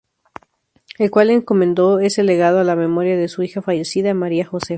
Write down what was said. El cual encomendó ese legado a la memoria de su hija fallecida María Josefa.